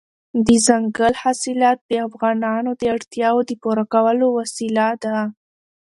دځنګل حاصلات د افغانانو د اړتیاوو د پوره کولو وسیله ده.